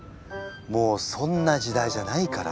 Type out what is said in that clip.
もうそんな時代じゃないから。